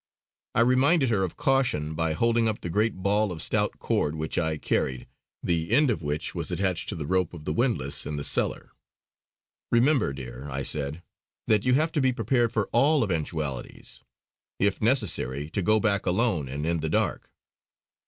I reminded her of caution by holding up the great ball of stout cord which I carried, the end of which was attached to the rope of the windlass in the cellar. "Remember, dear," I said, "that you have to be prepared for all eventualities; if necessary to go back alone and in the dark."